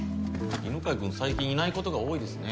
犬飼君最近いないことが多いですね。